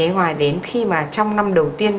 ngoài đến khi mà trong năm đầu tiên